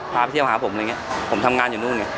พาไปเที่ยวหาผมอะไรอย่างเงี้ยผมทำงานอยู่นู่นไง